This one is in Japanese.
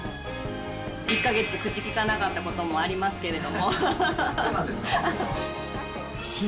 １か月、口きかなかったこともありますけど。